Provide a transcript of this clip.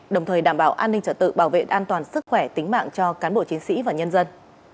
đồng thời đảm bảo an ninh trật tự bảo vệ an toàn sức khỏe tính mạng cho cán bộ chiến sĩ và nhân dân